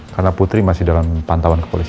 karena putri masih dalam pantauan ke polis